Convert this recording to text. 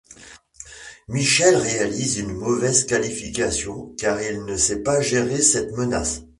Michel réalise une mauvaise qualification car il ne sait pas gérer cette menace.